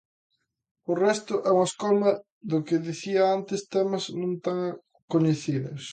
O resto é unha escolma do que dicía antes: temas non tan coñecidos.